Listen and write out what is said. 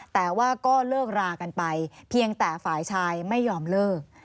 แต่ว่าก็เลิกรากันไปเพียงแต่ฝ่ายชายไม่ยอมเลิก